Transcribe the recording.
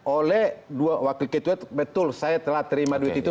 oleh dua wakil ketua betul saya telah terima duit itu